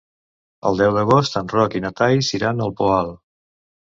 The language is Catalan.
El deu d'agost en Roc i na Thaís iran al Poal.